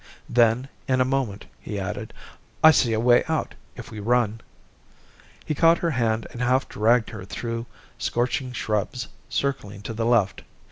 Then, in a moment, he added, "I see a way out, if we run." He caught her hand and half dragged her through scorching shrubs, circling to the left.